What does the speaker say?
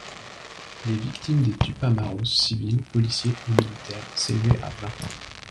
Les victimes des Tupamaros, civils, policiers et militaires, s'élevaient à vingt.